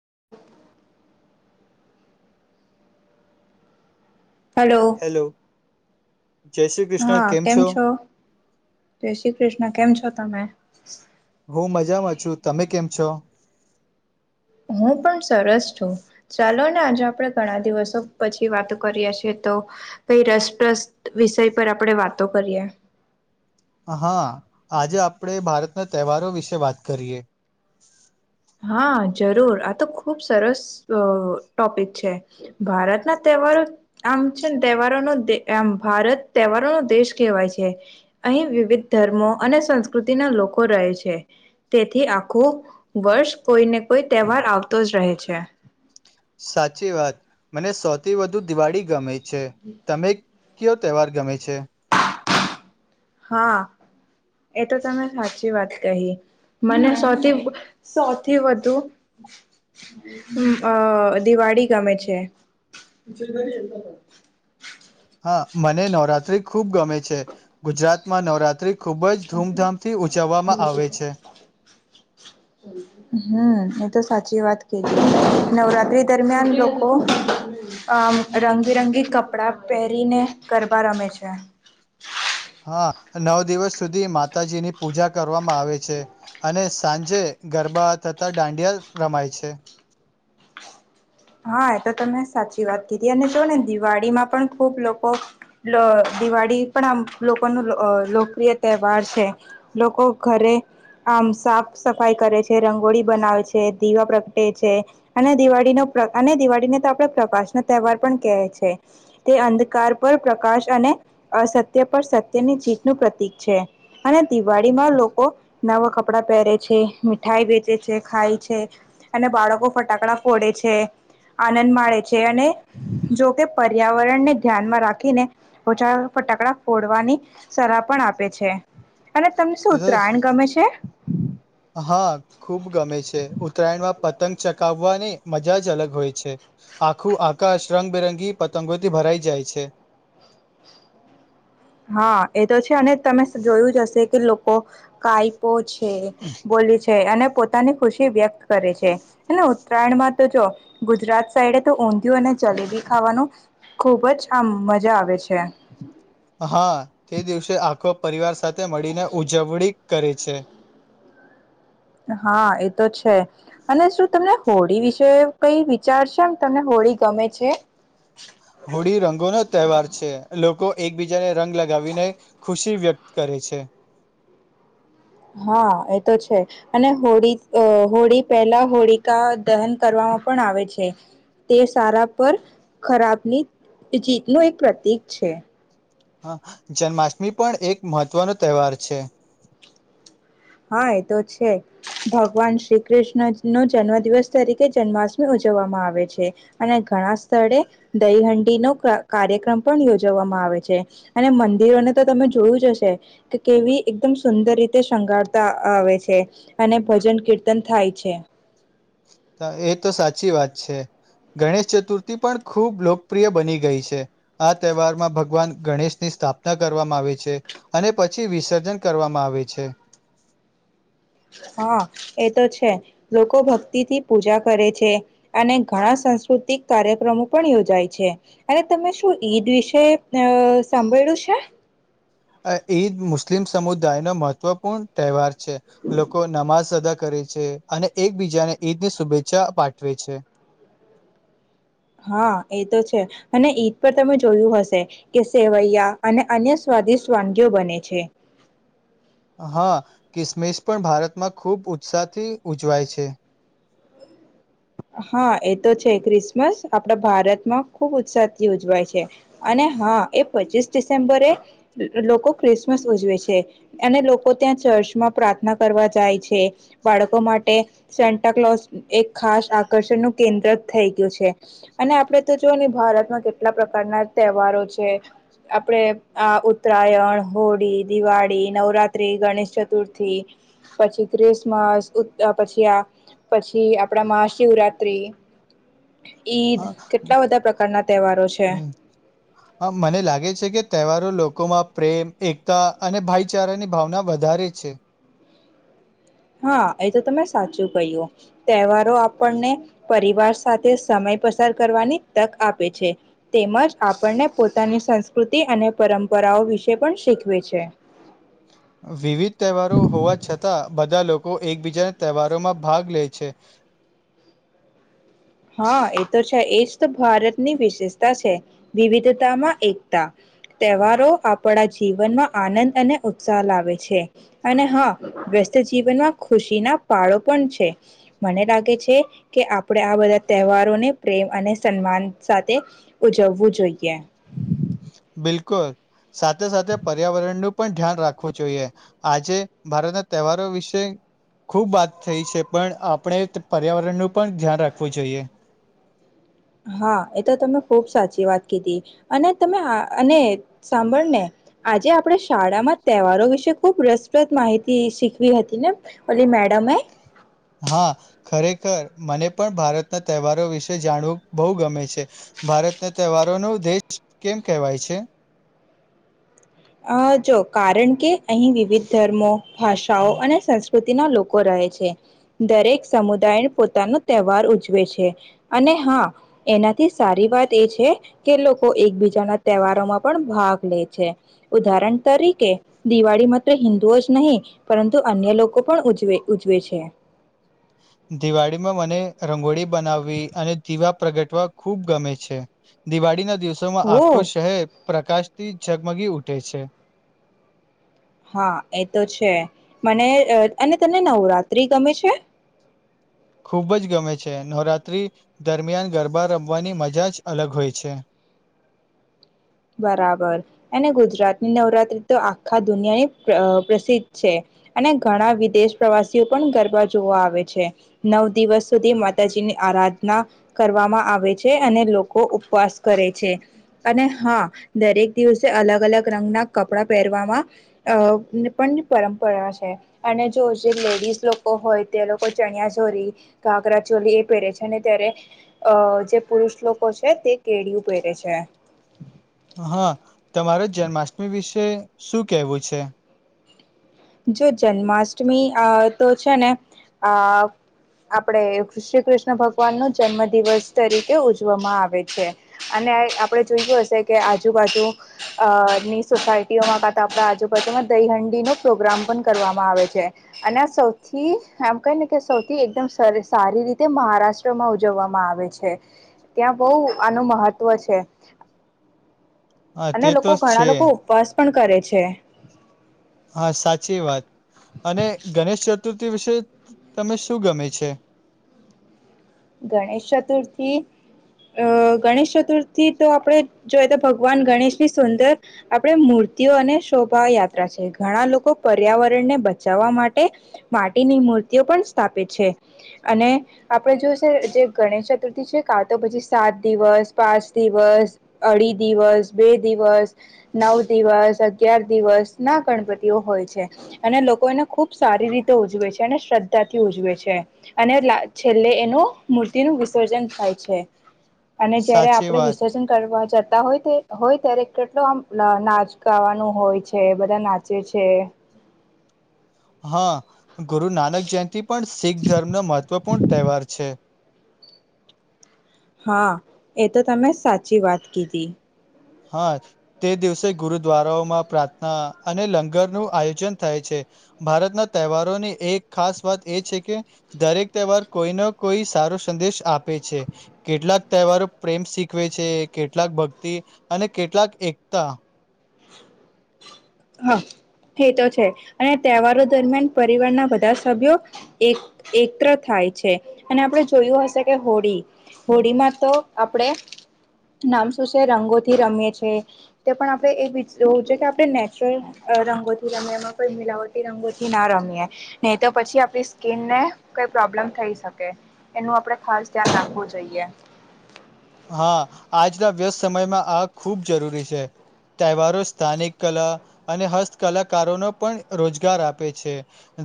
[inaudible] Hello! Hello જય શ્રી કૃષ્ણ હા કેમ છો? જય શ્રી કૃષ્ણ કેમ છો તમે. હું મજામાં છું તમે કેમ છો. હું પણ સરસ છું ચાલો. આજે આપણે ઘણા દિવસો પછી વાતો કરીએ છીએ તો કઈ રસપ્રસત વિષય પર આપણેે વાતો કરીએ. હા આજે આપણેે ભારતના તહેવારો વિશે વાત કરીએ. હા જરૂર આ તો ખુબ સરસ ટોપિક છે ભારતના તહેવારો આમ છે તહેવારો ન આમ ભારત તહેવારોનોો દેશ કહેવાય છે અહીં વિવિધ ધર્મો અને સંસ્કૃતિના લોકો રહે છે તેથી આખું. વર્ષ કોઈને કોઈ તહેવાર આવતો જ રહે છે. સાચી વાત મને સૌથી વધુ દિવાળી ગમે. છે તમે. કયો તહેવાર ગમે છે. હા. એતો તમે સાચી વાત કહી મને સૌથી સૌથી વધુ અ દિવાળી ગમે છે. હા મને નવરાત્રી ખૂબ ગમે છે ગુજરાતમાં નવરાત્ર્રી. ખૂબ જ ધૂમધામથી ઉજવવામાં આવે છે. હમ એ તો સાચી વાત કેજ નવરાત્રી દરમિયાન લોકો આ રંગીરંગી કપડા પહેરીને ગરબા રમે છે. હા નવ દિવસ સુધી માતાજીની પૂજા કરવામાં આવે છે અને સાંજે ગરબા થતા દાંડિયા રમાય છે. હા એ તો તમે સાચી વાત કીધી અને જો ને દિવાળી માં પણ ખુબ લોકો દિવાળી પણ આમ લોકો ન લોકપ્રિય તહેવાર છે લોકો ઘરે આમ સાફ સફાઈ કરે છે રંગોળી બનાવે છે દીવા પ્રગટે છે અને દિવાળીનો. અને દિવાળીને તો આપણે પ્રકાશનો તહેવાર પણ કહે છે તે અંધકાર પર પ્રકાશ અને અસત્ય પર સત્યની જીતનુંું પ્રતીિક છે. અને દિવાળી માં લોકો નવ ખ. કપડા પહેરે છે મીઠાઈ વેચે છે ખાય છે અને બાળકો ફટાકડા ફોડે છે. આનંદ માે છે અને જોકે પર્યાવરણને ધ્યાનમાં રાખીને ઓછા ફટાકડા ફોડવાની સલાહ પણ આપે છે. અને તમને શું ઉત્તરાયણ ગમે છે હા ખુબ ગમે છે ઉત્તરાયણમાં. પતંગ ચકાવવાની મજા જ અલગ હોય છે આખું આકાશ રંગબેરંગી પતંગોથી ભરાઈ જાય છે. હા એ તો છે અને તમે જોયું. જસે કે લોકો કઈપ પોચ. બોલી છે અને પોતાની ખુશી વ્યક્ત કરે છે અને ઉત્તરાયણમાં તો જો ગુજરાત સાઈડે તો ઊંધિું અને જલેબી ખાવાનું ખુબ જ આ મજા આવે છે. હા તે દિવસે આ. પરિવાર સાથે. મળીને ઉજવણી. કરે છે. હા એતો છે અને શું તમને હોળી વિશે કઈ વિચારશેમ તમને હોળી ગમે છે. હોળી રંગોનોો તહેવાર છે લોકો એકબીજાને રંગ લગાવીને ખુશી વ્યક્ત કરે છે. હા એ તો છે અને હોળી હોળી પહેલા હોળીિકા દહન કરવામાં પણ આવે છે તે સારા પર ખરાબની જીતનું એક પ્રતિક છે. હ જન્માષ્ટમી પણ એક મહત્વનો તહેવાર છે. હા એ તો છે ભગવાન શ્રી કૃષ્ણ નો જન્મ દિવસ તરીકે જન્માષ્ટમી ઉજવવામાં આવે છે અને ઘણા સ્થળે દહીહંડીનોો કાર્યક્રમ પણ યોજવવામાં આવે છે અને મંદિરોને તો તમે જોયું જ હશે કે કેવી એકદમ સુંદર રીતે શંગાર. આવે છે અને ભજન કીર્તન થાય છે. એ તો સાચી વાત છે ગણેશ ચતુર્થી પણ ખૂબ લોકપ્રિય બની ગઈ છે આ તહેવારમાં ભગવાન ગણેશની સ્થાપના કરવામાં આવે છે અને પછી વિસર્જન કરવામાં આવે છે. હા એ તો છે લોકો ભક્તિથી પૂજા કરે છે અને ઘણા સાસ્કૃતિક કાર્યક્રમો પણ યોજાય છે અને તમે શું ઈદ વિશે અ સાંભળ્યું છે. ઈદ મુસ્લિમ સમુદાય નો મહત્વપૂર્ણ તહેવાર છે. છે, લોકો નમાજ અદા કરે છે, અને એકબીજાને ઈદ ની શુભેચ્છા પાઠવે છે. હા એ તો છે અને ઈદ પર તમે જોયું હશે, કે સેવૈયા અને અન્ય સ્વાદિષ્ટ વાનગીઓ બને છે. હા, ક્રિસમિસ પણ ભારતમાં ખૂબ ઉત્સાહથી ઉજવાય છે. હા, એ તો છે ક્રિસમસ આપડા ભારતમાં ખુબ ઉત્સાહ થી ઉજવાય છે, અને હા એ પચીસ ડિસેમ્બરે લોકો ક્રિસમસ ઉજવે છે અને લોકો ત્યાં ચર્ચમાં પ્રાર્થના કરવા જાય છે, બાળકો માટે સેન્ટા કલોસ એક ખાસ આકર્ષણનું કેન્દ્ર થઈ ગયું છે, અને આપણેે તો જોઓ ને ભારતમાં કેટલા પ્રકારના તહેવારો છે, આપણેે આ ઉત્તરાયણ હોળી દિવાળી નવરાત્રી ગણેશ ચતુર્થી પછી ક્રિસમસ પછી આ પછી આપણામાં શિવરાત્ર્રી હા તહેવારો છે હમ્મ હ મને લાગે છે, કે તહેવારો લોકોમાં પ્રેમ એકતા અને ભાઈચારાની ભાવના વધારે છે. હા, એ તો તમે સાચું કહ્યું તહેવારો આપણને પરિવાર સાથે સમય પસાર કરવાની તક આપે છે, તેમજ આપણને પોતાની સંસ્કૃતિ અને પરંપરાઓ વિશે પણ શીખવે છે. વિવિધ તહેવારો હોવા છતાં બધા લોકો લોકો એકબીજાના તહેવારોમાં ભાગ લે છે, હા, એ તો છે એજ તો ભારતની વિશેષતા છે વિવિધતામાં એકતા તહેવારો આપણા જીવનમાં આનંદ અને ઉત્સાહ લાવે છે, અને હા વ્યસ્ત જીવનમાં ખુશીના પાળો પણ છે મને લાગે છે, કે આપણે આ બધા તહેવારોને પ્રેમ અને સન્માન સાથે ઉજવવું જોઈએ. બિલકુલ સાથે સાથે પર્યાવરણનું પણ ધ્યાન રાખવું જોઈએ, આજે ભારતના તહેવારો વિશે ખુબ વાત થઈ છે, પણ આપણે પર્યાવરણનું પણ ધ્યાન રાખવું જોઈએ. હા, એ તો તમે ખુબ સાચી વાત કીધી અને તમે અને સાંભળ ને આજે આપણે શાળામાં તહેવારો વિશે ખૂબ રસપ્રદ માહિતી શીખવી હતી, ને ઓલી મેડમે? હા, ખરેખર મને પણ ભારતના તહેવારો વિશે જાણવું બહુ ગમે છે, ભારતના તહેવારોનો દેશ કેમ કહેવાય છે. અ જો કારણ કે અહીં વિવિધ ધર્મો ભાષાઓ અને સંસ્કૃ કૃતિના લોકો રહે છે, દરેક સમુદાય પોતાનો તહેવાર ઉજવે છે અને હા એનાથી સારી વાત એ છે કે લોકો એકબીજાના તહેવારોમાં પણ ભાગ લે છે, ઉદાહરણ તરીકે દિવાળી માત્ર હિન્દુઓ જ નહીં પરંતુ અન્ય લોકો પણ ઉજવે ઉજવે છે, દિવાળીમાં મને રંગોળી બનાવવી અને દીવા પ્રગટવા ખુબ ગમે છે, દિવાળીને દિવસોમાં આખો ઓ શહેર પ્રકાશથી ઝગમગી ઊઠે છે, હા, એ તો છે મને અને તને નવરાત્રી ગમે છે? ખૂબ જ ગમે છે, નવરાત્રી દરમિયાન ગરબા રમવાની મજા જ અલગ હોય છે, બરાબર અને ગુજરાતની નવરાત્રી તો આખા દુનિયાની પ્રસિદ્ધ છે, અને ઘણા વિદેશ પ્રવાસીઓ પણ ગરબા જોવા આવે છે નવ દિવસ સુધી માતાજીની આરાધના કરવામાં આવે છે અને લોકો ઉપવાસ કરે છે, અને હા, દરેક દિવસે અલગ અલગ રંગના કપડા પહેરવામાં અ પણ પરંપરા છે અને જો જે લેડીઝ લોકો હોય તે લોકો ચણિયા ચોરી ઘાઘરા ચોલી એ પહેરે છે, ને ત્યારે અ જે પુરુષ લોકો છે તે કેળયું પહેરે છે હા, તમારે જન્માષ્ટમી વિશે શું કેહેવું છે? જો જન્માષ્ટમી આ તો છે, ને આ આપણેે શ્રી કૃષ્ણ ભગવાન નો જન્મ દિવસ તરીકે ઉજવામાં આવે છે, અને આપણે જોયું હશે કે આજુબાજુ અ ની સોસાયટીઓમાં કા તો આપણા આજુબાજુમાં દહીહંડીનું પ્રોગ્રામ પણ કરવામાં આવે છે, અને સૌથી આમ ક ને કે સૌથી એકદમ સારી રીતે મહારાષ્ટ્રમાં ઉજવવામાં આવે છે ત્યાં બહ આનું મહત્વ છે. હા અને તે લોકો તો ઘણા છે લોકો ઉપવાસ પણ કરે છે, હા, સાચી વાત અને ગણેશ ચતુર્થી વિશે તમે શું ગમે છે? ગણેશ ચતુર્થી અ ગણેશ ચતુર્થી તો આપણે જોઈ તો ભગવાન ગણેશની સુંદર આપણે મૂર્તિઓ અને શોભાયાત્રા છે, ઘણા લોકો પર્યાવરણને બચાવવા માટે માટીની મૂર્તિઓ પણ સ્થાપિત છે, અને આપણે જો જે ગણેશ ચતુર્થી છે, કા તો પછી સાત દિવસ પાંચ દિવસ અઢી દિવસ બે દિવસ નવ દિવસ અગિયાર દિવસ ના ગણપતિઓ હોય છે, અને લોકો એને ખુબ સારી રીતે ઉજવે છે અને શ્રદ્ધાથી ઉજવે છે, અને છેલ્લે એનું મૂર્તિનું વિસર્જન થાય છે. અને જયારે સાચી આપડે વાત વિસર્જન કરવા જતા હોય, ત્યારે કેટલો આમ નાચ ગાવાનું હોય છે બધા નાચે છે. હા ગુરુ નાનક જયંતિ પણ શીખ ધર્મનો મહત્વપૂર્ણ તહેવાર છે, હા એ તો તમે સાચી વાત કીધી. હા તે દિવસે ગુરુદ્વારાઓમાં પ્રાર્થના અને લંગર નું આયોજન થાય છે ભારતના તહેવારોની એક ખાસ વાત એ છે કે દરેક તહેવાર કોઈને કોઈ સારો સંદેશ આપે છે કેટલાક તહેવારો પ્રેમ શીખવે છે કેટલાક ભક્તિ. અને કેટલાક એકતા. હ એ તો છે અને તહેવારો દરમિયાન પરિવારના બધા સભ્યો એક એકત્ર થાય છે અને આપણે જોયું હશે કે હોળી હોળીમાં તો આપણે નામ શું છે રંગોથી રમેએી તે પણ આપણે એવું છે કે આપણે. શ રંગોથી રમીએ એમાં કોઈ મિલાવટી રંગોથી ના રમીએ નહી તો પછી આપણી સ્કીિનને કઈ પ્રોબ્લેમ થઈ શકે એનું આપણે ખાસ ધ્યાન રાખવું જોઈએ. હા આજના વ્યસ્ત સમયમાં આ ખૂબ જરૂરી છે તહેવારો સ્થાનિક કલા અને હસ્ત કલાકારોનો પણ રોજગાર આપે છે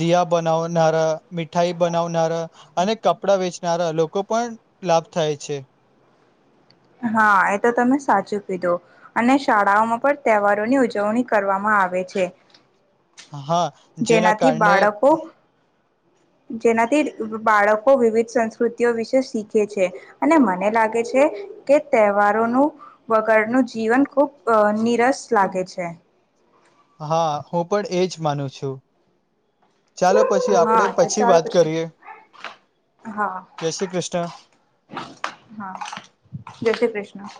દિયા બનાવનારા, મીઠાઈ બનાવનારા અને કપડા વેચનારા લોકો પણ લાભ થાય છે. હા એ તો તમે સાચું કીધું અને શાળાઓમાં પણ તહેવારોની ઉજવણી કરવામાં આવે છે. હા જેના જેનાથી કારણે બાળકો જેનાથી બાળકો વિવિધ સંસ્કૃતિઓ વિશે શીખે છે અને મને લાગે છે. કે તહેવારોનું વગરનું જીવન ખૂબ નિરસ લાગે છે. હા હું પણ એજ માનું છું ચાલો પછી હા આપણે તો ચાલ વાત પછી કરીએ હા જય શ્રી કૃષ્ણ હા હાજય શ્રી કૃષ્ણ. [inaudible]